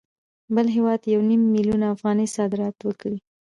بل هېواد یو نیم میلیون افغانۍ صادرات وکړي